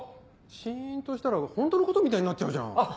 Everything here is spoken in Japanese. シンとしたらホントのことみたいになっちゃうじゃん。